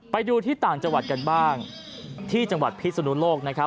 ไปดูที่ต่างจังหวัดกันบ้างที่จังหวัดพิศนุโลกนะครับ